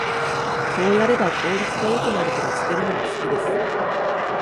こうやれば効率が良くなると見つけるのが好きです